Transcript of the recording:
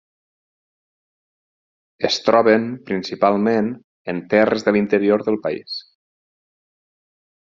Es troben principalment en terres de l'interior del país.